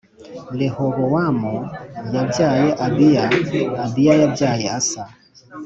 Rehobowamu yabyaye Abiya, Abiya yabyaye Asa,